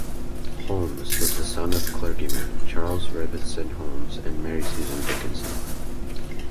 Holmes was the son of a clergyman, Charles Rivington Holmes, and Mary Susan Dickson.